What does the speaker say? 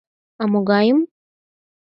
А могайым?